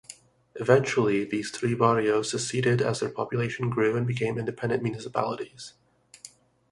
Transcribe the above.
Eventually, these three barrios seceded as their population grew and became independent municipalities.